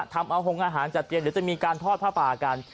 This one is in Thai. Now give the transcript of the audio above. ทำเอาหงอาหารจัดเตรียมเดี๋ยวจะมีการทอดผ้าป่ากัน